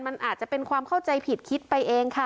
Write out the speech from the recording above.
มันอาจจะเป็นความเข้าใจผิดคิดไปเองค่ะ